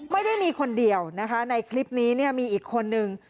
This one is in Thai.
ไม่ได้มีคนเดียวนะคะในคลิปนี้เนี่ยมีอีกคนนึง